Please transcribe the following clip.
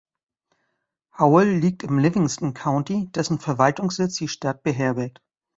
Howell liegt im Livingston County, dessen Verwaltungssitz die Stadt beherbergt.